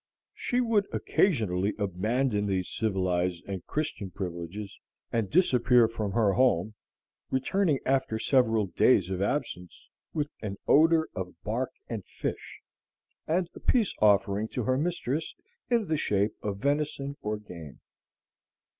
She would occasionally abandon these civilized and Christian privileges, and disappear from her home, returning after several days of absence with an odor of bark and fish, and a peace offering to her mistress in the shape of venison or game.